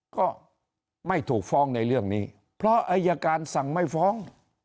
ก็ไม่ถูกฟ้องในเรื่องนี้เพราะอายการสั่งไม่ฟ้อง